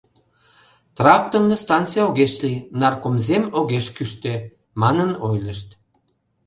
— Тракторный станций огеш лий, Наркомзем огеш кӱштӧ, — манын ойлышт.